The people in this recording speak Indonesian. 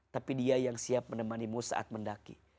tapi dia yang siap menemanimu saat mendaki